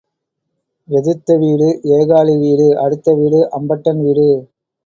எதிர்த்த வீடு ஏகாலி வீடு அடுத்த வீடு அம்பட்டன் வீடு.